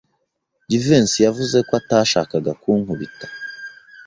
Jivency yavuze ko atashakaga kunkubita.